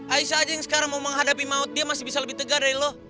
aisyah aja yang sekarang mau menghadapi maut dia masih bisa lebih tegar dari lo